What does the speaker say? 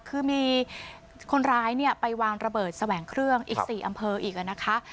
คือมีคนร้ายเนี่ยไปวางระเบิดแสวงเครื่องอีก๔อำเภออีกนะคะ